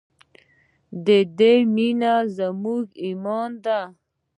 د دې مینه زموږ ایمان دی؟